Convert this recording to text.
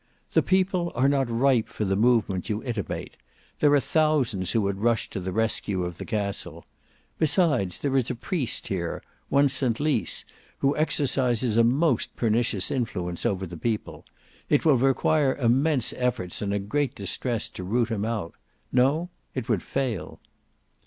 THE PEOPLE are not ripe for the movement you intimate. There are thousands who would rush to the rescue of the castle. Besides there is a priest here, one St Lys, who exercises a most pernicious influence over the people. It will require immense efforts and great distress to root him out. No; it would fail."